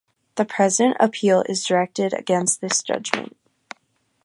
The present appeal is directed against this judgment.